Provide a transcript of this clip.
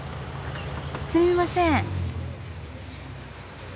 すみません。